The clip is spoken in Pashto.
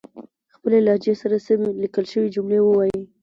خپلې لهجې سره سمې ليکل شوې جملې وايئ